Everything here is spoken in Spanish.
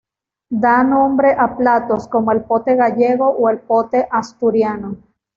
Da nombre a platos como el pote gallego o el pote asturiano.